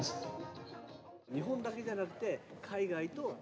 日本だけじゃなくて海外と。